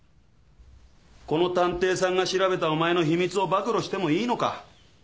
この探偵さんが調べたお前の秘密を暴露してもいいのか？